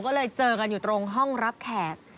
ก็เลยเจอกันอยู่ตรงห้องรับแขก